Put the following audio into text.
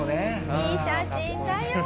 いい写真だよ。